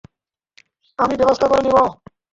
আমি ব্যবস্থা করে নেব।